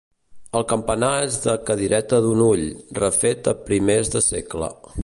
El campanar és de cadireta d'un ull, refet a primers de segle.